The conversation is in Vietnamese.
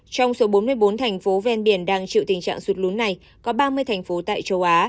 trong số bốn mươi bốn thành phố ven biển đang chịu tình trạng sụt lún này có ba mươi thành phố tại châu á